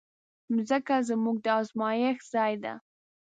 مځکه زموږ د ازمېښت ځای ده.